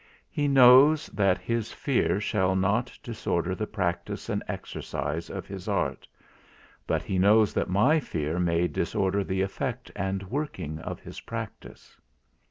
He knows that his fear shall not disorder the practice and exercise of his art, but he knows that my fear may disorder the effect and working of his practice.